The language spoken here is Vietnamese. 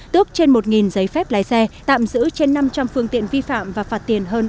tước trên một giấy phép lái xe tạm giữ trên năm trăm linh phương tiện vi phạm và phạt tiền hơn ba ba tỷ đồng